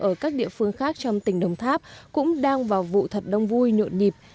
ở các địa phương khác trong tỉnh đồng tháp cũng đang vào vụ thật đông vui nhộn nhịp